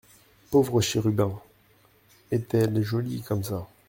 Pauvre chérubin !… est-elle jolie comme ça !…